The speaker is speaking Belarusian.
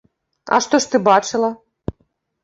А што ж ты бачыла?